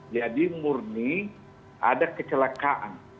jadi murni ada kecelakaan